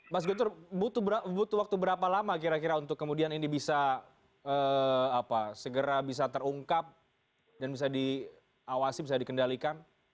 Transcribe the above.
mas guntur butuh waktu berapa lama kira kira untuk kemudian ini bisa segera bisa terungkap dan bisa diawasi bisa dikendalikan